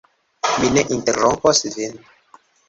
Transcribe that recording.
Mi ne interrompos vin.